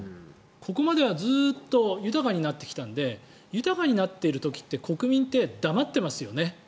ここまではずっと豊かになってきたんで豊かになっている時って国民って黙っていますよね。